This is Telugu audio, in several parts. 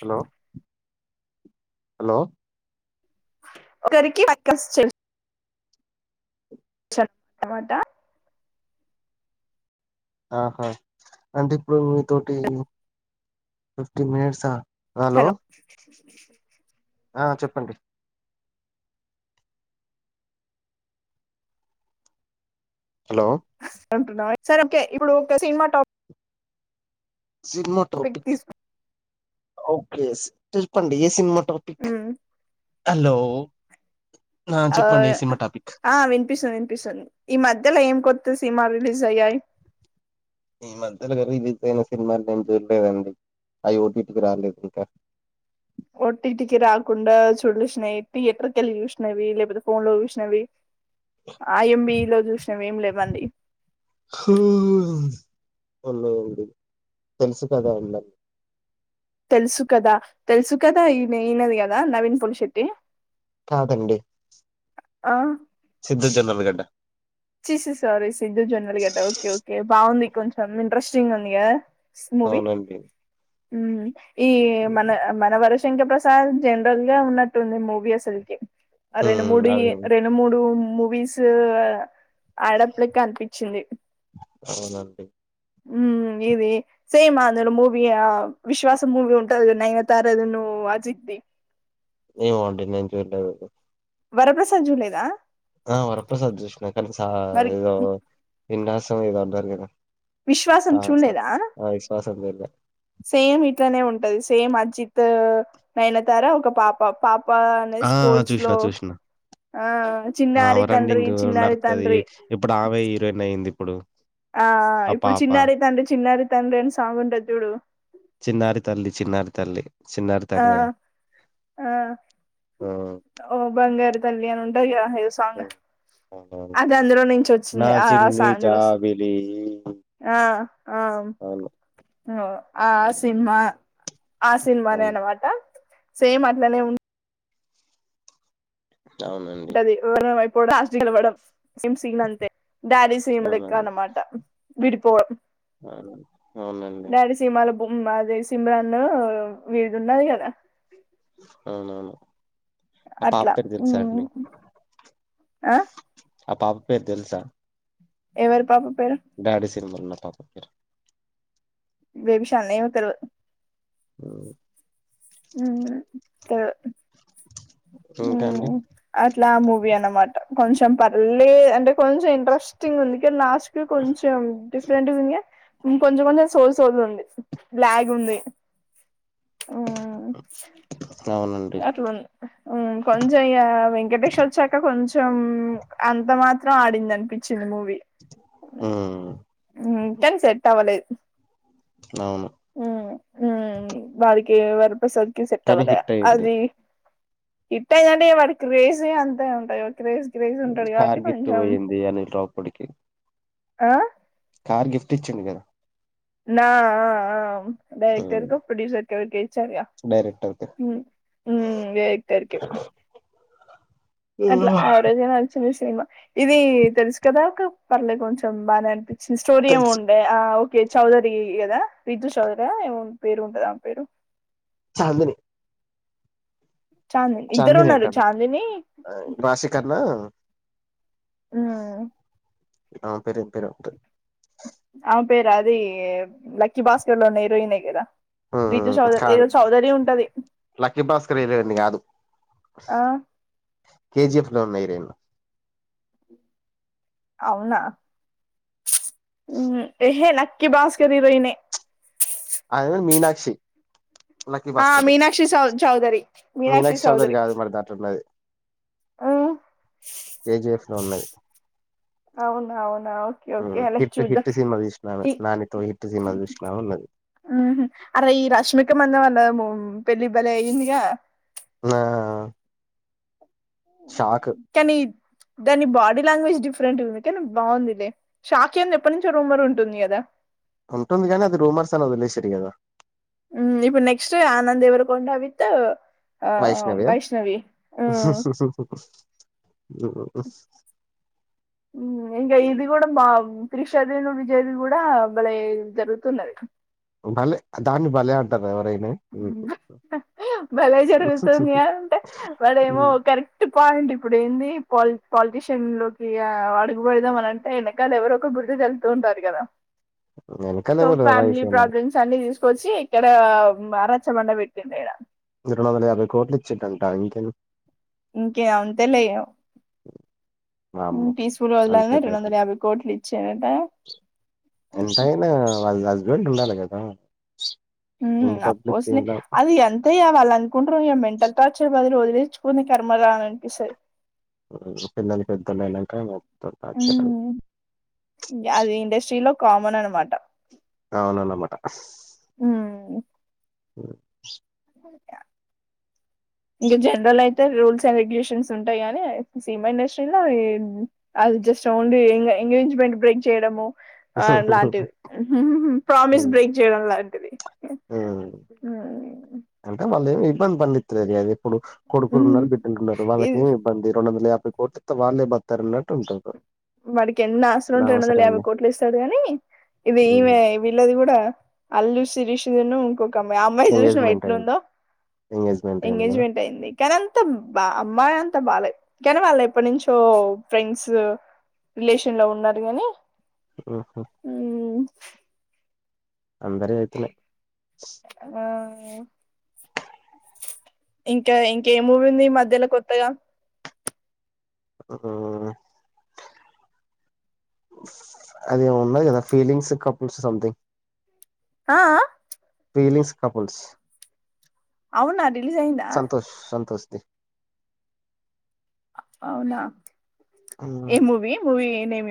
హలో హలో ఒకరికి [unintelligible] [unintelligible] మాట ఆహా అంటే ఇప్పుడు మీ తోటి ఫిఫ్టీన్ మనిట్స్ అ హలో ఆ చెప్పండి హలో అంటున్నావ్ సరే ఓకే ఇప్పుడు ఒక సినిమా టాప్ సినిమా ట్రాఫిక్ తీసుకు ఓకే చెప్పండి ఏ సినిమా టాపిక్ హలో ఆ చెప్పండి ఏ సినిమా టాపిక్ ఆ వినిపిస్తుంది వినిపిస్తుంది ఈ మధ్యలో ఏం కొ త్త సినిమాలు రిలీజ్ అయ్యాయి ఈ మధ్యలోగా రిలీజ్ అయిన సినిమాలు నేను చూడలేదండి అవి ఓటీటికి రాలేదు ఇంకా ఒటిటికి రాకుండా చూడ్లు చూసనాయి థియేటర్ వేళ్ళి చూసినవి లేకపోతే ఫోన్ లో చూసినవి ఆ ఎంబి లో చూసినవి ఏం లేవండి చూడ్లేండి తెలుసు కదా అండి తెలుసు కదా తెలుసు కదా ఈన ఈనది కదా నవీన్ పూలీశెటి కాదండి ఆ సిద్ధు జన్నల్ గడ్డ చి సి సారీ సింధు జనాల గడ్డ ఓకే ఓకే బాగుంది కొంచెం ఇంట్రెస్టింగ్ ఉంది కదా అవునండి హ్మ్ ఈ మన మనవర శంకర్ ప్రసాద్ జనరల్ గా ఉన్నట్టుంది మూవీ అసలుకి ఆ రెండు ఉమ్ మూడి అది రెండు మూడు ము వీస్ రేప్లికా అనిపించింది అవునండి ఉ ఇది సేమ్ అతడు మూవి ఆ విశ్వాస మూవీ ఉంటది నైనతార ది ను అజిత్ ది ఏమో అండి నేను చూడలేదు వరప్రసాద్్ జూలేదా ఆ వరాప్రసాద్ చూసిన కనీస మరి ఏదో నిన్న యసూ ఇద అంటారు కదా విశ్వాసం చూలేదా [unintelligible] సేమ్ ఇట్లనే ఉంటది సేమ్ అజిత్ నైనతారా ఒక పాప పాప వా అనే ఆ! ఆ! స్పోర్ట్స్ చూషినా. లో చూషినా. ఆ ఆ! చిన్నారి తండ్రి రన్నింగ్ చిన్నారి నడతది. తండ్రి ఆమె హీరోయిన్ ఇప్పుడు అయిందిప్పుడు. ఆ ఇప్పుడు చిన్నారి తండ్రి చిన్నారి తండ్రిని సాగు ఉంటాది చూడు చిన్నారి తల్లి చిన్నారి తల్లి చిన్నారి తల్లి ఆ ఆ బంగారు తల్లి అను ఉంటాది కదా సాంగ్ హ్మ్. అవునవును. అది అందులో నుంచి నా వచ్చిందే ఆ సా చిన్ని అందులో జాబిలి ఆ ఆ అవును. ఆ సినిమా ఆ సినిమానే అవును. అనమాట సేమ్ అట్లనే ఉ అవునండి. ఉంటది పో కూడా ఆశగా మేడం సమ్ సన్ అంతే డాడీసీమలు ఎక్క అవునండి. అనమాట విడిపోవడం అవునండి. అవునండి. డాడీసీమలో అది సిమ్రాన్ వీడిది ఉన్నది కదా అవునవును ఆ పాప అట్లా పేరు ఉమ్ తెలుసా అండి? ఆ ఆ పాప పేరు తెలుసా ఎవరి పాప పేరు డాడి తిరుమలన్న పాపపేరు బేబీశామలి నాకు తెల్వదు [inaudible] ఉమ్ ఇంకా అండి లా మూవీ అన్నమాట కొంచెం పర్లి అంటే కొంచెం ఇంట్రెస్ట్ స్ంగ్ ఉంది ఇం లాస్ట్ క కొంచెం డిఫరెంట్ంకా కొంచెం కొంచెం సోది సోది ఉంది లాగ్ ఉంది ఆ అవునండి అట్లాంది కొంచెం ఇ వెంకటేష్ వచ్చాక కొంచం కొంచం అంత మాత్రం ఆడింది అనిపించింది మూవీ ఆ న్ సెట్ అవలేదు అవును ఉ బడికి వర ప్రస కానీ సిట్టమద హిట్ అయింది. అది ఇట్టాంటడి వాటి క్రేజీ అంతా ఉంటాయి క్రేజ్ క్రేజ్ ఉంటది కాబట్టి కార్ గిఫ్ట్ కొంచెం పోయింది అనిల్ రావు పూడికి ఆ కార్ గిఫ్ట్ ఇచ్చిండి కదా నా డైరెక్టర్ హ్మ్. కో ప్రొడ్యూసర్ ఎవర్కో ఇచ్చారుక డైరెక్టర్‌కి. డైరెక్టర్ కె అట్లా యావరేజ్ అనా వచ్చిన సినిమా ఇది తెలుసు కదా ఒక పర్లే కొంచెం బాగానే అనిపింది స్టోరి తెలుసు ఉండే చౌదరి కదా రిజు చౌదరి ఏమ పేరు ఉంటదా ఆ పేరు చందని చాందిని ఇద్దరు ఉన్నారు అంటాన్న. చాందిని రాశిఖన్నా ఆ ఆ పెరి పెరు ఉంట ఆమె పేరు అది లక్కీ భాస్కర్ లో ఉన్న హీరోయిన్ ఏ కదా రీతు చౌదరి ఏదో కాదు చౌదరి ఉంటది లక్కీ భాస్కర్ వెరవండి కాదు ఆ కేజఫ్ లోన్నాయిరేనా అవునా ఏహ నక్క్కీ బస్ క రయిే అదిే మ మీనాక్షి లక్కీ ఆ భాస్కర్‌లో. మీనాక్షి చౌ చౌదరి మీనాక్షి చౌదరి ఏజఫ సన్నది అవును అవును ఓకే ఓకే అలా హిట్ చూద్దాం హిట్ సినిమా తీసిన ఆమె. నానితో హిట్ సినిమా చూసిన ఆమె ఉన్నది. అరే ఈ రష్మిక మందం వాళ్ళ పెళ్ళి బలే ఇందగా ఆ సాఖ కానీ దాని బాడీ లాంగ్వేజ్ డిఫరెంట్ ఉంది కానీ బాగుందిలే షాక్ అంది ఎప్పటి నుంచో రూమ్మర్ ఉంటుంది కదా ఉంటుంది కానీ అది రూమర్స్ అని వదిలే సరి కదా ఉ ఇప్పుడు నెక్స్ట్ ఆనంద దేవరు కొండవిత్ వైష్ణవ బబస్ ఇంకా ఇది కూడా మా త్రిషదేను విజయది కూడా మల జరుగుతున్నది భలే దాన్ని భలే అంటారు ఎవరైనా భలే జరుగుతుంది అంటే వాడేమో కరెక్ట్ పాయింట్ ఇప్పుడు ఏంది పాలి పాలిటీషియన్ లోకి అడుగుపడదాం అనింటే వెనకాల ఎవరొ ఒకరు గుర్తు తెళ్తూ ఉంటారు కదా వెనకాల సో ఎవరు వైఫ్ ఫ్యామిలీ అయినా ప్రాబ్లమ్స్ అన్ని తీసుకొచ్చి ఇక్కడ [unintelligible] రెండు వందల యాభై కోటిట్లు ఇచ్చిట్ంటా ఎంక ఇంకే అంతే లే [inaudible] వామ్మో తీసుఫుల్ వదలాల అంతట రెండు వందల అయిపోయింది యాభై కోట్లు ఇచ్చేయినట. రెండు ఉండాలే కదా. ఉమ్ ఎన్ని డబ్బులు ఇస్తే అప్పస్లే ఏం లాభం అది ఎంతయ్యవ అళ అందకుంట్రు ఇ మెంటల్ టార్చర్ బదులు తెర్చుకుని కర్మ కాదు అనిపిస్తాది. ఆ పిల్లలు పెద్దోళ్ళు అయినంక. అది ఇండస్ట్రీలో. కామన్ అనమాట. అవునన్నామాట. ఆ [inaudible] [inaudible] ఇంగా జనరల్ యితే రూల్స్ రెగ్యులేషన్స్ ఉంటాయి. కానీ సినిమా ఇండస్ట్రీలో అది జస్ట్ ఓన్లీ ఎంగేజ్మెంట్ బ్రేక్ చేయడము. ఆ లాంటిది ప్రామిస్ బ్రేక్ చేయడం లాంటిది. ఉమ్ అంటే వాళ్ళ ఏమి ఇబ్బంది పడనిత్తలేరు అది ఇప్పుడు కొడుకులు ఉమ్ ఉన్నారు బిడ్డలు ఉన్నారు. ఇది వాళ్ళకి ఇబ్బంది రెండు వందల యా కోట్టి ఇతే వాళ్ళే బతారు అన్నట్టు ఉంటారు. వాడికి ఎన్ని ఆస్తులు ఉంటె దాని రెండు వందల అవసరం యాభై ఏముంది కోట్లు ఇస్తాడు గానీ ఇది మ్మ్ ఈమె వీళ్ళది కూడా అల్లు శిరీష్. [unintelligible] ఒక అమ్మాయి ఆ అమ్మాయిని చూసినవ ఎంగేజ్మెంట్ ఎట్ల అయింది ఉందో ఎంగేజ్మెంట్ అయింది కదా ఎంగేజ్మెంట్ అయింది. కానీ అంత బా అమ్మాయి అంతా బాలే. కానీ వాళ్లు ఎప్పటి నుంచో ఫ్రెండ్స్. రిలేషన్ లో ఉన్నారు కాని ఊహూ అందరివి అయితున్నాయి. ఆ ఇంకా ఇంకే మూవీ ఉంది ఈ మధ్యలో కొత్తగా ఆ అది ఉన్నది కదా ఫీలింగ్స్ కపుల్స్ సంథింగ్. ఆ, ఆ ఫీలింగ్స్ కపుల్స్. అవునా రిలీజ్ అయిందా. అ [inaudible] అవునా ఏం మూవి మూవి మేం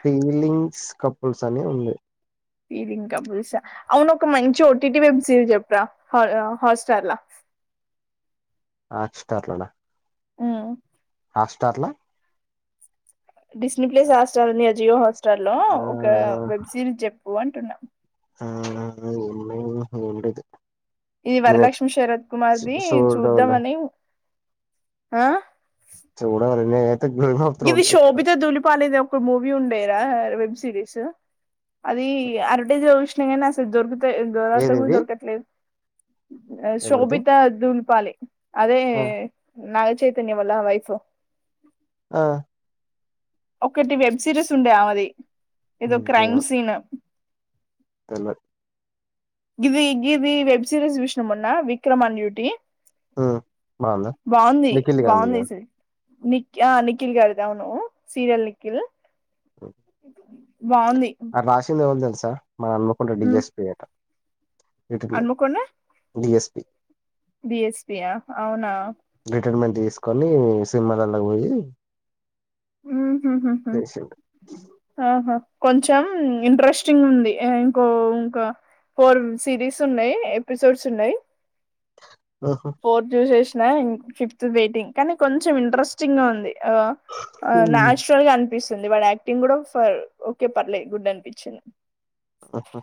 ఫీలింగ్. స్ కపుల్స్ అని ఉంది. ఫీలింగ్ కపుల్స అవును ఒక మంచి ఓటీటి వెబ్ సిరీస్ చెప్పరా హాట్స్టార్ లా. హాట్ స్టార్ లనా హ్ హాట్ స్టార్ లా డిస్ని ప్లేస్ హాస్టల్ ఉంది జియో హాస్టల్ లో ఆ ఒక వెబ్ సిరీస్ చెప్పు అం టున్న [unintelligible] ఇది నేనైతే వరలక్ష్మి శరత్ చు కుమార్దు చూడలే చూద్దామ అని ఆ [unintelligible] ఆఫ్ గివి థ్రోన్స్ చూస్తా శోభిత దులిపాలేది ఒక మూవీ ఉండేరా వెబ్ సీరీస్ అది అడ్వర్టైజ్లో వచ్చినయ్ కానీ అసలు దొరుక్ దేవులాడుతే కూడా ఏదిది దొరకట్లేదు ఆ ఎవరిది శోభిత దులుపాలే అదే ఆ నాగచైతన్య వల్ల వైఫ్ ఆ ఒకటి వెబ్ సిరీస్ ఉండే ఆమెది ఏదో క్రైమ్ సీన్ తెలువద్ గిది గిది వెబ్ సిరీస్ చూసిన మొన్న విక్రమ్ అన్ డ్యూటీ హ్ బాగుందా నిఖిల్ గాంధిగా నిక్కి ఆ నిఖిల్ గారిది అవును సీరియల్ నిఖిల్ హ్ [unintelligible] ఆ రాసింది ఎవలు తెలుస్ సార్ మన హన్మకొండ డీజెస్పీ డీఎస్ బిఎస్పీయా అవునా కానీ సినిమాలాల్లకు పోయి ఉహుహు చేసిండు ఆహా కొంచెం ఇంట్రెస్టింగ్ ఉంది ఇంకో ఇంకా ఫోర్ సిరీస్ ఉన్నాయి ఎపిసోడ్స్ ఉన్నాయి. ఫోర్ ద్యుశేషు [inaudible] నా ఇన్ ఫిఫ్త్ వెయిటింగ్ కానీ కొంచెం ఇంట్రెస్టింగ్ గా ఉంది. ఆ న్యాచురల్గా అంత్ అనిపిస్తుంది వాడి యాక్టింగ్ కూడా ఫర్ ఓకే పర్లేదు గుడ్ అనిపించింది. ఆహా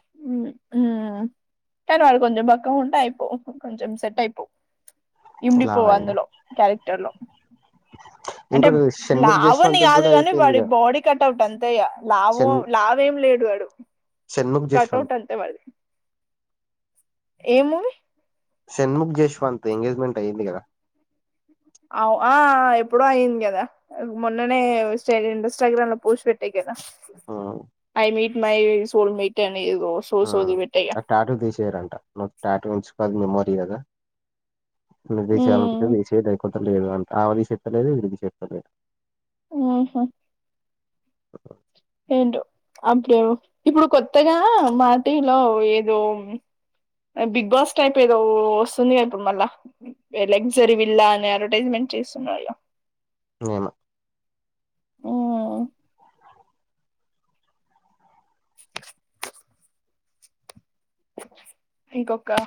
ఉ కానీ వాడు కొంచెం బక్కగా ఉంటే అయిపో కొంచెం సెట్ అయిపో ఇమ్డి పోవు లావైండ అందులో క్యారెక్టర్ లో ఇంకోటి [unintelligible] లావు అని జశ్వంత్ కాదు కూడా గానీ వాడి అయిపోయిందిగా బాడీ కటవుట్ అంత్ దయా లావూ షణ్ లావు ఏం లేడు వాడ్ షణ్ముఖ్ జశ్వంత్ కటవుట్ అంతే మాది ఏ మూవీ షణ్ముఖ్ జశ్వంత్ ఎంగేజ్మెంట్ అయ్యింది గదా అవు ఆ ఎప్పుడో అయింది గదా. మొన్ననే ఇన్స్టాగ్రామ్ లో పోస్ట్ పెట్టా గదా ఆ I meet my soul mate and ఆ ఆ ఆ టాటూ తీశేయరంటా నువ్ టాటు ఉుంచ్ అది మెమొరీ గదా నువ్ తీశేయాలి అనుకుంటే తీశేయ్ దానిక్ [unintelligible] లేదు అంట ఆమె తీశేత లేదు వీడు తీశేతలేడు ఊహు ఏంటో. [unintelligible] ఇప్పుడు కొత్తగా మాటీవిలో ఏదో బిగ్ బాస్ టైప్ ఏదో వస్తుందిగా ఇప్పుడు మళ్ళా. లగ్జరీ విల్లా అని అడ్వర్టైజ్మెంట్ చేస్తున్నారుగ ఇవాళా ఊ ఇంకొకా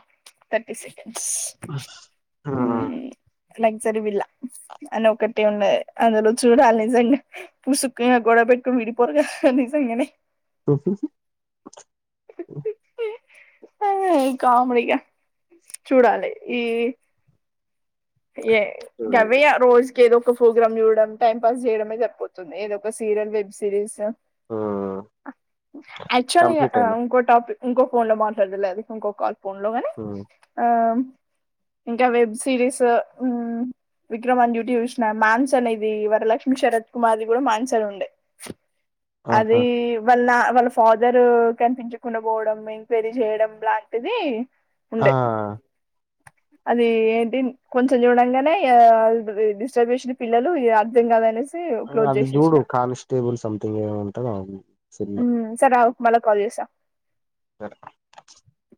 థర్టీ సెకండ్ ఆ లగ్జరీ విల్లా అని ఒక్కటే ఉన్నదది అందులో చూడాలి నిజంగా పుసుక్కునా గొడవ పెట్టుకొని విడిపోరుగా నిజంగనే. [unintelligible] ఆ కామెడిగా చూడాలి ఈ ఏ గవ్యె చూడండి ఇగా రోజ్ ఏదో ఒక ప్రోగ్రామ్ చూడడం టైం పాస్ చేయడమే సరిపోతుంది. ఏదో ఒక సీరియల్, వెబ్ సిరీస ఉమ్ ఆక్టువల్ గా కంప్లీట్ ఆ అయింది ఇంకో టాపిక్ ఇంకో ఫోన్ లో మాట్లాడుదులే అది ఇంకో కాల్ ఫోన్ లో గానీ ఉమ్ ఆ ఇంకా వెబ్ సిరీసా ఊ విక్రమ్ ఆన్ డ్యూటీ చూశిన. మాన్స్ అనేవీ వరలక్ష్మి శరత్ కుమార్ది గూడా మాన్సన్ ఉండే ఆహా అదీ వల్నా వాళ్ళ ఫాదరూ కనిపించకుండా పోవడం, ఎంక్వైరీ చేయడం లాంటిదీ ఆ అది ఏటిన్ కొంచెం చూడంగానే య అ డిస్టర్బ్ చేసిన పిల్లలు ఇగ అర్ధం కాదనేసి అ క్లోజ్ అది చేసేసిన. జూడు కాన్స్టేబుల్ సంథింగ్ ఏ ముంటది ఆమె సినిమా రావ్ మల్లా కాల్ చేశా జర